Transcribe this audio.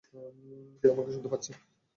কেউ আমাকে শুনতে পাচ্ছেন?